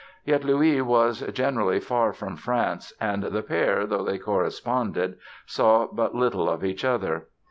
Yet Louis was generally far from France and the pair, though they corresponded, saw but little of each other.